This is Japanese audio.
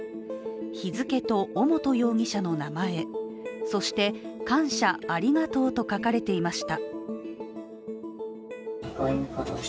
日付と尾本容疑者の名前、そして、感謝ありがとうと書かれていました。